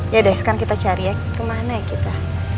yaudah sekarang kita cari ya kemana kita